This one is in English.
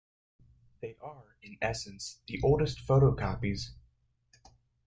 They are, in essence, the oldest photocopies.